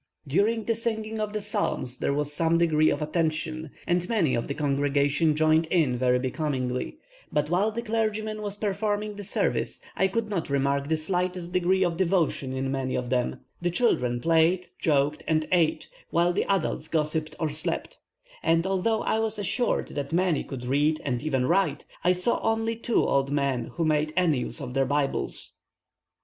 During the singing of the psalms there was some degree of attention, and many of the congregation joined in very becomingly; but while the clergyman was performing the service, I could not remark the slightest degree of devotion in any of them; the children played, joked, and ate, while the adults gossiped or slept; and although I was assured that many could read and even write, I saw only two old men who made any use of their Bibles.